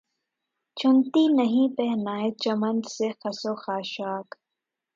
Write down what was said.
چنتی نہیں پہنائے چمن سے خس و خاشاک